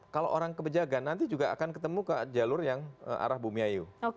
kalau orang ke pejagan nanti juga akan ketemu ke jalur yang arah bumiayu